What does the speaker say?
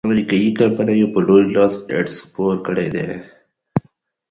امریکایي کمپینو په لوی لاس ایډز خپور کړیدی.